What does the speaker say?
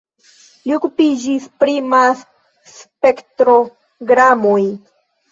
Li okupiĝis pri Mas-spektrogramoj.